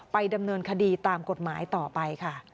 ดำเนินคดีตามกฎหมายต่อไปค่ะ